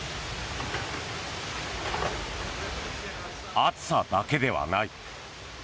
暑さだけではない。